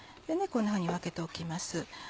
こんなふうに分けておきます。